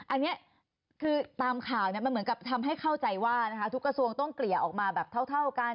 อันนี้คือตามข่าวมันเหมือนกับทำให้เข้าใจว่าทุกกระทรวงต้องเกลี่ยออกมาแบบเท่ากัน